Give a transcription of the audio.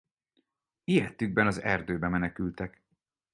Ijedtükben az erdőbe menekültek.